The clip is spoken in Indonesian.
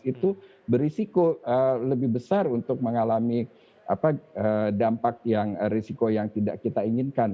itu berisiko lebih besar untuk mengalami dampak yang risiko yang tidak kita inginkan